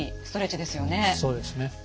そうですね。